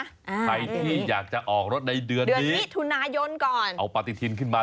ใครที่อยากจะออกรถในเดือนนี้เอาปฏิทินขึ้นมา